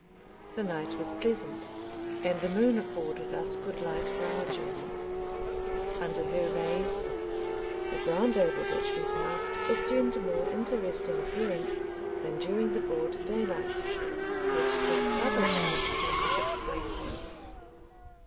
The night was pleasant, and the moon afforded us good light for our journey. Under her rays, the ground over which we passed assumed a more interesting appearance than during the broad daylight, which discovered the extent of its wasteness.